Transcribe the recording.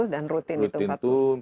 dan rutin itu empat puluh